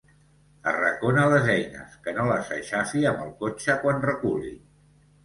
Arracona les eines, que no les aixafi amb el cotxe quan reculi.